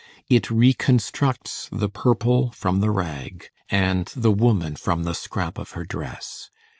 It reconstructs the purple from the rag, and the woman from the scrap of her dress.